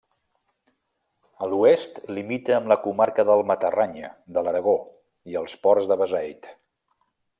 A l'oest limita amb la comarca del Matarranya, de l'Aragó, i els ports de Beseit.